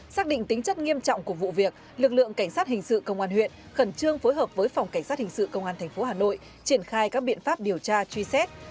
xác định tính chất nghiêm trọng của vụ việc lực lượng cảnh sát hình sự công an huyện khẩn trương phối hợp với phòng cảnh sát hình sự công an tp hà nội triển khai các biện pháp điều tra truy xét